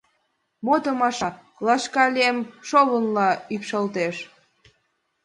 Мо томаша? — лашка лем шовынла ӱпшалтеш.